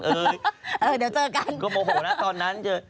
เออเดี๋ยวเจอกันก็โมโหนะตอนนั้น